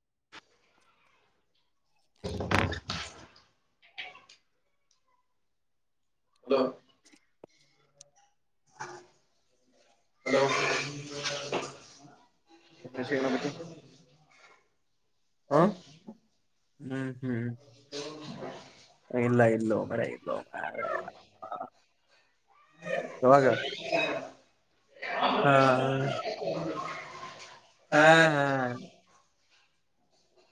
[inaudible] ಅದು ಹ ಹಲೋ ಎನ್ನ ಪತಿಿ ಹಾ ಹ್ಮ್ ಹ್ಮ್ ಇಲ್ಲ ಇಲ್ಲೋ ಮರ ಇಲ್ಲೋ ಯಾಗ ಹಾ ಹಾ ಹಾ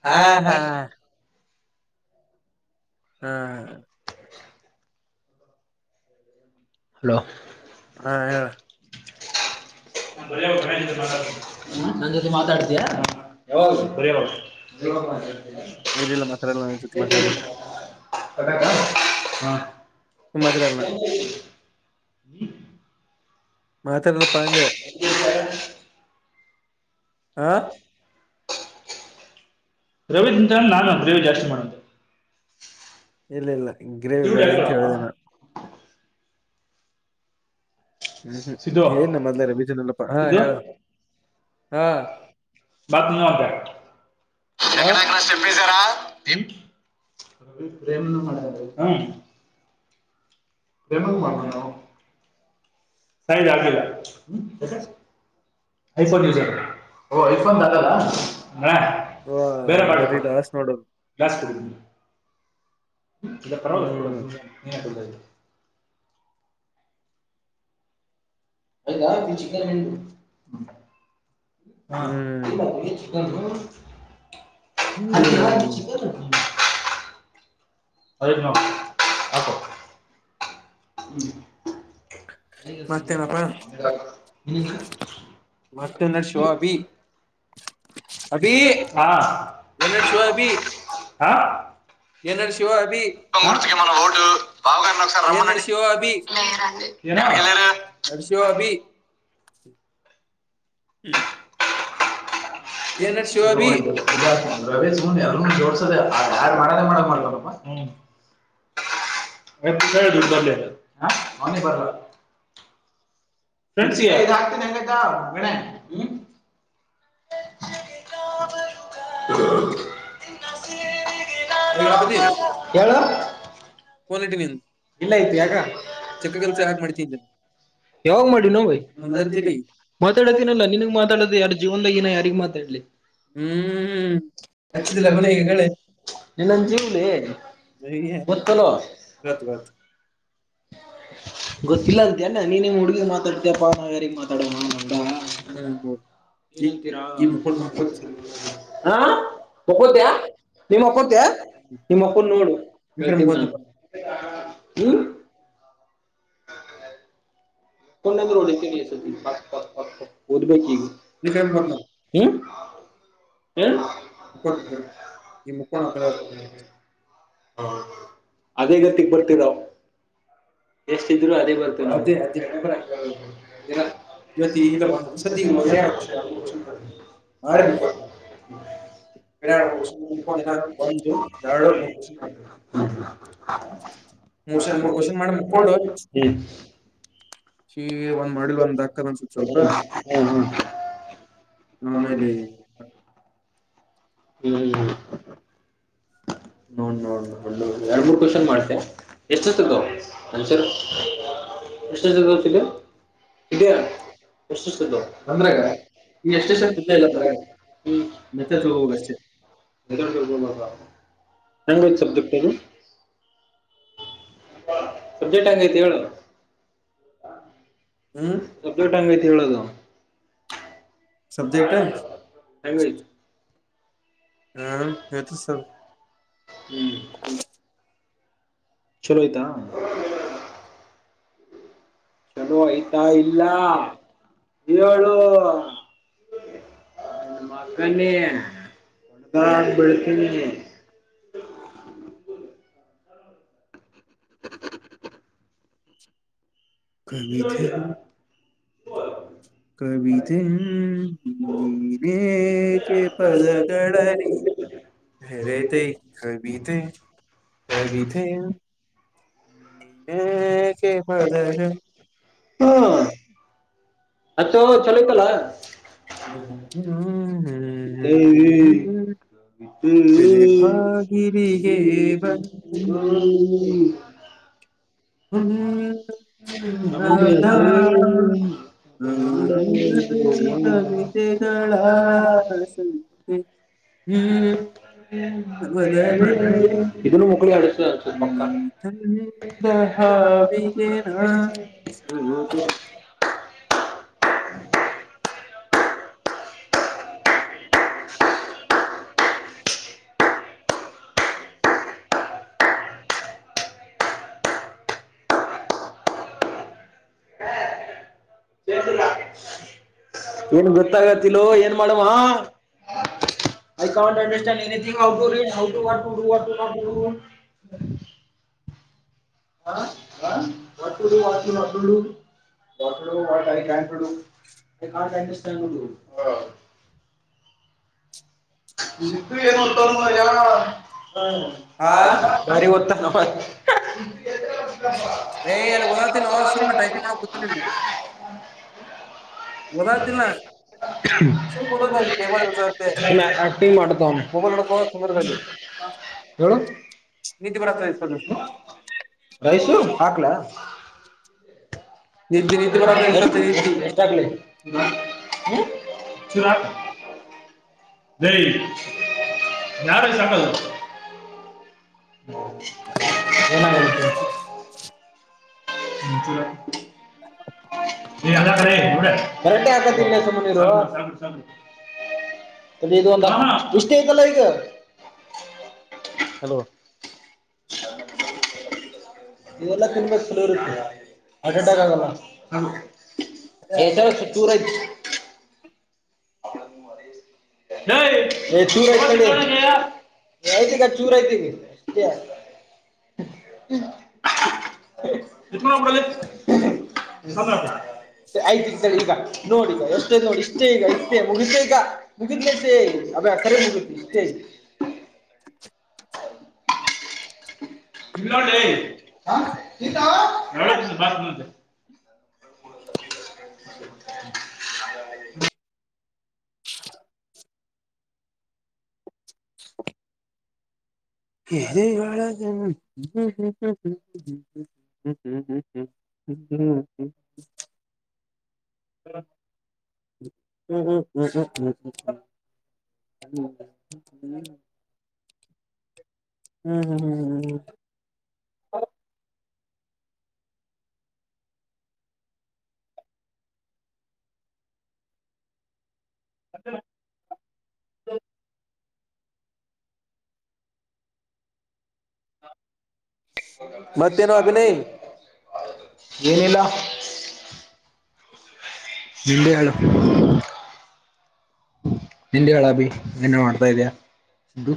ಹಾ ಹಾ ಹ್ಮ್ ಹಲೋ ಹಾ ಹೇಳ ನನ್ ಜೊತೆ ಮಾತಾಡ್ತೀಯ ಯಾವಾಗ ಬರಾಗ ಇಲ್ಲಿಲ್ಲ ಮಾತಾಡಲೇ ಇನ್ನೊಂದ್ ಸತಿ ಮಾತಾಡಲ್ಲ ಸ ಮಾದರಿ ಎಲ್ಲಲ್ಲ ಮಾತ್ರಲ್ಲ ಪಜ ಆ ಂತ ನಾನು ರೇವಿ ಜಾಸ್ತಿ ಮಾಡೆ ಇಲ್ಲ ಇಲ್ಲ ಗ್ರೇವಿ ಬೇಡ ಅಂತ ಹೇಳಿದೆ ನು ಹ್ಮ್ ಹ್ಮ್ ಸಿದ್ದು ಏನ ಮೊದ್ಲೇ ರ ವಿಜನಲ್ಲಪ್ಪ ಹಾ ಹೇಳ ಹಾ ಬತ ನ ಅಂತ ಹ ಡೆಷ್ಟೆಪಸಾರಾ ಪ್ರೇಮನ ಮಾಡ ಮ ಮಾಡ ಸೈಜಾಕರಾ ಐಫೋನ್ ಯ ಆಐಫೋನ್ ದಲ್ಲ ಬೇರೆ ಬರೀ ಲಾಸ್ ನೋಡೋದು ಇಲ್ಲ ಪರವಾಗಿಲ್ಲ ಕೊಡ ಹ್ಮ್ ನೀ ಯಾಕ್ ಕೊಡುದಿಲ್ಲ. [unintelligible] ಹ್ಮ್ ರೈತ್ರು ಹ್ಮು ಹು. ಹಾಕೋ. ಮತ್ತೇನಪ್ಪಾ ಹಾಕ್ ನಿಂಗ್. ವಕ್ತ ಶೋ ಅಭಿ. ಹಾ ಭಬಿ ಆ ಏನ್ ಅಭಿ ಏನೋ. ಅಡರ್ಸೋ ಅಭಿ. ಹ್ಮು [unintelligible] ರವೇಶ ಯಾರ ಜೋಡ್ಸದೆ ಯಾರಡ್ ಮಾಡದೇ ಮಾಡ ಮಾಡ್ಕಾರಪ್ಪಾ. [unintelligible] ಫ್ರೆಂಡ್ಸ [unintelligible] ಹೇ ಗಣಪತಿ ಇಲ್ಲ ಐತಿ ಯಾಕ್. ಚಕ್ಕ ಕೆಲಸ ಯಾಕೆ ಮಾಡ್ತೀನಿ ನಂಗೆ ಯಾವಾಗ್ ಮಾಡಿ ನೋ ಭೈ ಅದರ ತಿಳಿ ಮಾತಾಡತೀನಲ್ಲಾ ನಿನಗ್ ಮಾತಾಡೋದು ಜೀವದನದ್ಯಾಗಿನೂ ಯಾಡ್ ಏನ್ ಮಾತಾಡ್ಲಿ ಹ್ಮ್ ಹಚ್ಚಿದಿಲ್ಲ ಮನೆ ಈಗ ಹೇಳಿ ನೀ ನನ್ನ ಜೀವನದಲೇ ಗೊತ್ತು ಗೊತ್ತಲೋ. ಗೊತ್ತು ಗೊತ್ತಿಲ್ಲ ಅಂತ ಯಣ್ಣ ನೀನ ನಿಮ್ಮ್ ಹುಡುಗಿ ಮಾತಾಡ್ತಯಪ್ಪ ನಾವ್ಯಾರಿಗಿ ಮಾತಾಡೋಣ. ಹ್ಮು ಓ ಏನಂತೀರಾ ಅಣ್ಣ ಮಕ್ಕೋತ್ಯಾ ನೀನು ಮಕ್ಕೋತ್ಯಾ ನೀ ಮಕ್ಕೊಂಡ್ ನೋಡು ಹ್ಮು ಹ್ಮ್ [unintelligible] [unintelligible] ಹ್ಮು ವಿಕ್ರಮ್ ಗೊತ್ತು ಹ್ಮು ಮುಕ್ಕೋದ್ ವಿಕ್ರಮ್. ಈ ಮುಕ್ಕೋಣ ಆಮೇಲೆ ಅದು- [unintelligible] ಅದೇ ಗತಿಗೆ ಬರ್ತಿರಾ ಎಷ್ಟ ಇದ್ರು ಅದೇ ಬರ್ತವ [unintelligible] ನಾಳೆ [unintelligible] [unintelligible] ಮುಷನ್ ಮೂರ್ ಕೋಷನ್ ಮಾಡ್. ಹ್ಮು ಈಗ್ ಬಂದ್ ಮಾಡಿಲ್ ಅಂದಾಕರ್ ಅನ್ಸುತ್ತ ಸ್ವಲ್ಪ. ಹ್ಮ್ ಆಮೇಲೆ ಹ್ಮು ನೋಡ್ ನೋಡ್ [unintelligible] ಯಾಡ್, ಮೂರ್ ಕ್ವಷನ್ ಮಾಡಿದ್ಯಾ ಎಷ್ಟತುಗೋ. ಆನ್ಸರ್ [unintelligible] [unintelligible] ಅದ್ರಾಗ್ [unintelligible] ಹ್ಮು ಅಂದ್ರಾಗ ಈ ಎಷ್ಟೇ ಇದ್ದೇ ಇಲ್ಲ ಎಷ್ಟೊತ್ತಿಗೆ ಮೆತ್ತೆ ತಿಳ್ಕೋಬೇಕ ಅಷ್ಟೇ [unintelligible] [unintelligible] ಹ್ಯಾಂಗ್ ಐತಿ ಸಬ್ಜೆಕ್ಟ್ ಇದು. ಸಬ್ಜೆಕ್ಟ್ ಹೆಂಗೈತಿ ಹೇಳ್. ಹ್ಮ್ ಸಬ್ಜೆಕ್ಟ್ ಹಂಗೈತಿ ಹೇಳದು. ಸಬ್ಜೆಕ್ಟ್ ಹೆಂಗೈತಿ ಹಾ ಹೆತ ಸರ್ ಹ್ಮ್ ಹ ಚಲೋ ಆಯ್ತಾ ಚಲೋ ಆಯ್ತಾ ಇಲ್ಲ ಹೇಳಏು [inaudible] ಮಕ್ಕನ ಒ ಬೆಳಕನ [inaudible] ಕಮ ಕವಿತೆ ನೀಕ ಪದಕಳರಿ ಹ ರತ ಕಾಯ ಬಿತೆ ಕಾಯ ಬಿತೆ [unintelligible] ಅತ ಚಲತಲ್ಲ [unintelligible] ಬಾಗಿಲಿಗೆ ಹ್ಮ ಬಂದು [inaudible] ಹ್ಮ ಹ ಹದಾ ಆ ರಮಿತ ತಳ ಸಂತೆ ಹ್ಮ್ ಲವೇ ಇದನ್ನು ಮಕ್ಕಳಿಗೆ ಆಡಿಸ ಸಹಾವಿಕಣ ಏನ್ ಗತ್ತಾಗತ್ತಿಲ್ಲೋ ಏನ್ ಮಾಡಮ್ಮ ಹಾ ಐ ಕೌಂಟ್ ಅಂಡಸ್ಟ್ಯಾಂಡ್ ಎನ್ ಹ ಹ ಒಟ್ಟಳ್ಳ ಒಡು ಕಂಟಡು ಕ ಕಂಟಷ್ಟ ಒ [inaudible] ನಿ ಏನು ಎ ಗಾರಿ ಗತ್ತ ವ ಗದಾ ಲಸ ಟೈಕ ಕುತಿನಿಲ್ಲ [inaudible] ಬದತಿ ಸದವ ಆಕ್ಟಿಂಗ್ ಮಾಡ್ತಾವನ ಮೊಬೈಲ್ ಒಡಕ ಸುಂದರ ಹೇಳು ನೀತಿ ಬರತತ ರೈಸು ಹಾಕ್ಲ ನಿದ್ದೆ ನಿದ್ದೆ ಬರತ್ತ ಎ ಇರ್ತದೆ ನಿದ್ದಿ ಶರ ಯಾರ ಚಂಗ ಏನ ಹೇಳತ ಹ ನೋ ಕರೆಕ್ ಹಾಕತಿಲ್ಲ ಸುಮ್ಮ ನೀರು ಲ್ಲಿದು ಒ ಇಷ್ಟತೇ ಇತಲ್ಲ ಇಗ ಹಲೋ ಹ ಇವೆಲ್ಲಾ ತಿನ್ಬೇಕ ಚಲೋ ಇರುತ್ತೆ ಅಡಾಗ ಆಗಲ್ಲ ಹ ಎತ ಚೂರ ಚೂ ಐ್ತಗ ಚೂರ ಐ್ತ ಎನಡ ಆಯ್ತ ಈಗ ನೋಡಿ ಈಗ ಎಷ್ಟೇ ನೋಡಿ ಇಷ್ಟೇ ಈಗ ಎಷ್ಟೇ ಮುಗಿಸಿ ಈಗ ಬಗಲ ಅಭ ಕರತಿ ಇ ಹ ಹೇಳ ್ಮ್ಮ್ಮ ಹ್ಮ ಹ್ಮ್ ಹ್ಮ್ ಹ್ಮ ಹ್ಮ್ ಹ್ಮ್ ಹ್ಮ್ ಹ್ಮ ಹ್ಮ್ಮ ಹ ಹ್ಮ್ ಹ್ಮ್ ಹ್ಮ್ ಹ್ಮ್ ಹ್ಮ ಹ್ಮ್ ಹ್ಮ ಮತ್ತೇನು ಅಭಿನಯ್ [inaudible] ಏನಿಲ್ಲ ನಿದ ಆಳ ನಿಂಡೆ ಹೇಳಳ ಬಿ ನ ಮಾಡ್ತಾ ಇದ್ಯಾ ಸು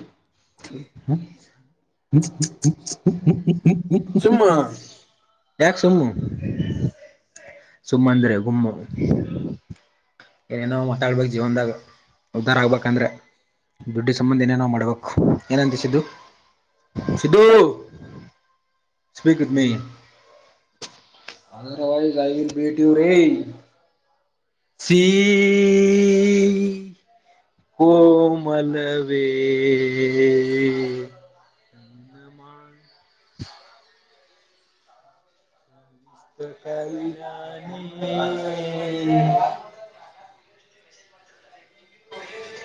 ಸುಮ್ಮ ಯಾಕ ಸುಮ್ಮು ಸುಮ್ಮಂದ್ರೆ ಗುಮ್ಮು ಏನೇನೋ ಮಾತಾಡ್ಬೇಕ ಜೀವನ್ದಾಗ ಉದ್ಧಾರ ಆಗ್ಬೇಕಂದ್ರೆ ದುಡ್ಡಿ ಸಂಬಂಧ ಏನೇನಾವ್ ಮಾಡ್ಬೇಕು ಏನಂತಿಸಿದ್ದು ಸಿದ್ದು you speak it me otherwise I ಭೇಟ ರೇ ಸಿ ಕೋಮಲವೇ ಹ್ಮ ಕವಿರಾನ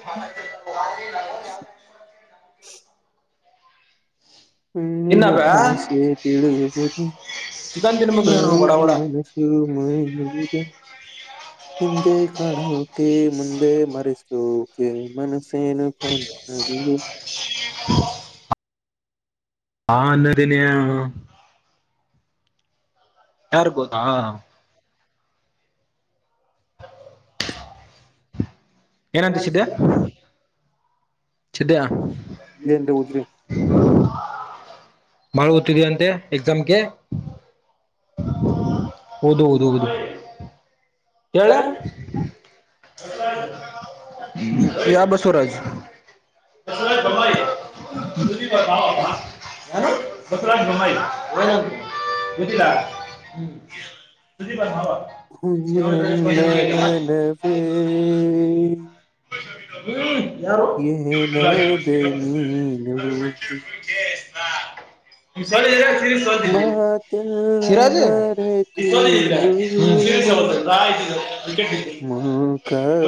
ಹಾ ತಿನ್ನ ಬೇ ಹ್ಮಲ್ಲಸ ತಿಳಬದು ಚಿಕನ್ ತಿನ್ಬೇಕು ಕ ನೀನು ಬಡ ಬಡ ಮನೆ ಶ ಮಾಡ ಹಿಂದೆ ಕಾಡೋಕೆ ಮುಂದೆ ಮರೆಸೋಕೆ ಮನಸ್ಸೇನು ಕಾಣ ಹಾಗೆ ಹಾ ಅನ್ನದನಯ ಯಾರ್ಬೋದಾ ಏನಂತಿಸಿದ್ದೆ ಇದಿದ ಏನ್ರಿ ಉದ್ರಿ ಮಾಡ ತಿದೀ ಅಂತೆ ಎಕ್ಸಾಮ್ಗೆ ಹೌದು ಒದು ಒ ಹೇಳೆ ಯಾ ಬಸವರಾಜ ಹ ಬರಮ್ಮ ಬುುದಲಾ ಸ ಬ ಹವ ಇನ್ನ ಮನವೇ ಹ್ಮ್ ಯಾರು [unintelligible] [unintelligible] ರಾಜ ಸ್ ಏನಾದೆ [unintelligible] ನೀನು ಮಾತೆಲ್ಲ ಮರೆತು ಆಯ್ ವಿಕೆಟ್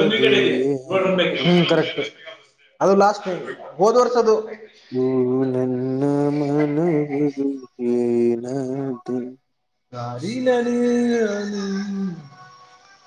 ಒಂದ್ ವಿಕೆಟ್ ಇದ [unintelligible] ಹ್ಮ್ ಕರೆಕ್ಟ್ ಅದು ಲಾಸ್ಟ್ ಟೈಮ ಹೋದ ವರ್ಷದ್ದು ಓ ನನ್ನ ಏನ [unintelligible] ಗಾಾಲಲ್ಲಾನ ನೀ [unintelligible]